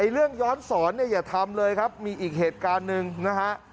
เรื่องย้อนสอนเนี่ยอย่าทำเลยครับมีอีกเหตุการณ์หนึ่งนะฮะ